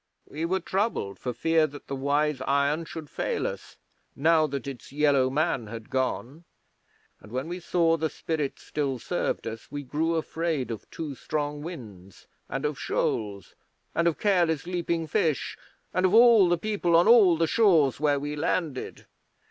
'We were troubled for fear that the Wise Iron should fail us now that its Yellow Man had gone, and when we saw the Spirit still served us we grew afraid of too strong winds, and of shoals, and of careless leaping fish, and of all the people on all the shores where we landed.'